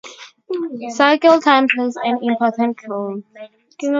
Cycle time plays an important role.